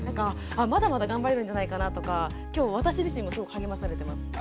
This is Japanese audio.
まだまだ頑張れるんじゃないかなとかきょう私自身もすごく励まされてます。